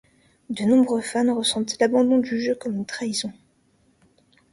De nombreux fans ressentent l’abandon du jeu comme une trahison.